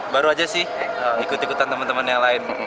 baru aja sih ikut ikutan teman teman yang lain